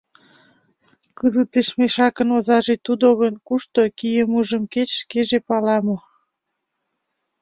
Кызытеш мешакын озаже тудо гын, кушто кийымыжым кеч шкеже пала мо?